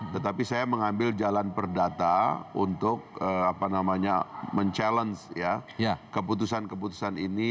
tetapi saya mengambil jalan perdata untuk mencabar keputusan keputusan ini